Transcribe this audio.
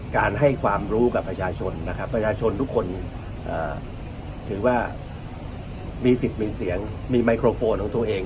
การให้ความรู้กับประชาชนนะครับประชาชนทุกคนถือว่ามีสิทธิ์มีเสียงมีไมโครโฟนของตัวเอง